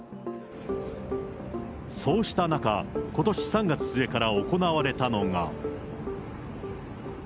そうした中、ことし３月末から行われたのが。